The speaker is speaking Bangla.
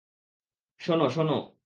শোনো, শোনো।